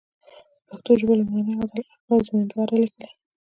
د پښتو ژبي لومړنۍ غزل اکبر زمینداوري ليکلې